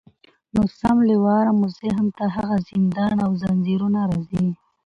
نو سم له واره مو ذهن ته هغه زندان او زنځیرونه راځي